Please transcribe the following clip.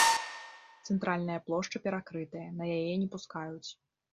Цэнтральная плошча перакрытая, на яе не пускаюць.